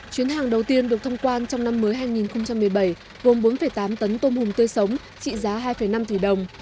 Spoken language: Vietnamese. chuyến hàng đầu tiên được thông quan trong năm mới hai nghìn một mươi bảy gồm bốn tám tấn tôm hùm tươi sống trị giá hai năm tỷ đồng